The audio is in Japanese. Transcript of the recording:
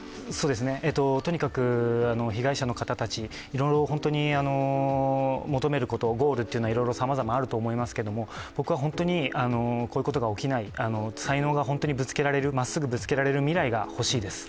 とにかく被害者の方たち、いろいろ求めること、ゴールはさまざまあると思いますけど僕は本当にこういうことが起きない才能が本当にまっすぐぶつけられる未来が欲しいです。